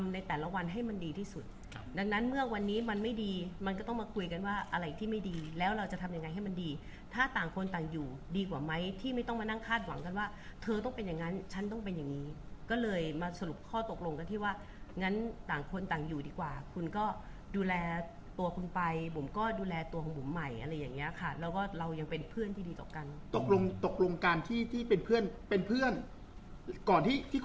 แล้วเราจะทำยังไงให้มันดีถ้าต่างคนต่างอยู่ดีกว่าไหมที่ไม่ต้องมานั่งคาดหวังกันว่าเธอต้องเป็นอย่างนั้นฉันต้องเป็นอย่างนี้ก็เลยมาสรุปข้อตกลงกันที่ว่างั้นต่างคนต่างอยู่ดีกว่าคุณก็ดูแลตัวคุณไปผมก็ดูแลตัวของผมใหม่อะไรอย่างเงี้ยค่ะแล้วก็เรายังเป็นเพื่อนที่ดีต่อกันตกลงการที่เป็นเพื่อนเป็นเพื่อนก่อนที่